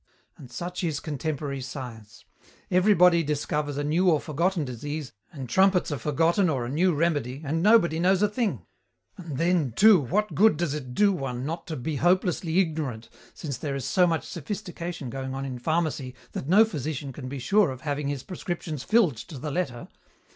"And such is contemporary science. Everybody discovers a new or forgotten disease, and trumpets a forgotten or a new remedy, and nobody knows a thing! And then, too, what good does it do one not to be hopelessly ignorant since there is so much sophistication going on in pharmacy that no physician can be sure of having his prescriptions filled to the letter?